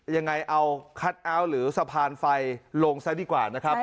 ยังไงเอาคัทเอาท์หรือสะพานไฟลงซะดีกว่านะครับ